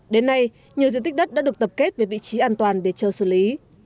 đến nay nhiều diện tích đất đã được tập kết về vị trí an toàn để chờ xử lý